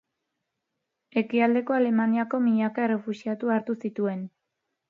Ekialdeko Alemaniako milaka errefuxiatu hartu zituen.